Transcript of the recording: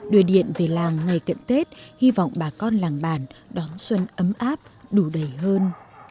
đưa điện về làng ngày cận tết hy vọng bà con làng bản đón xuân ấm áp đủ đầy hơn